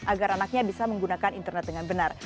agar anaknya bisa menggunakan internet dengan benar